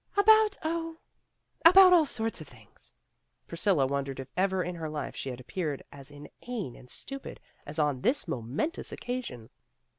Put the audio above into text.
"About Oh, about all sorts of things." Priscilla wondered if ever in her life she had appeared as inane and stupid as on this mo mentous occasion.